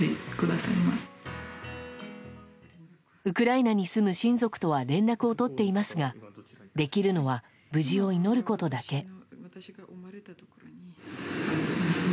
ウクライナに住む親族とは連絡を取っていますができるのは無事を祈ることだけ。